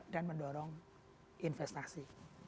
dan mendorong investasi